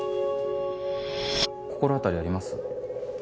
心当たりあります？